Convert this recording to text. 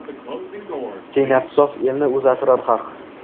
Tiynati sof elni o’zi asrar Haq.